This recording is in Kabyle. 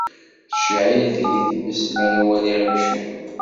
Tettceɛɛil deg-i tmes mi ara waliɣ imcumen.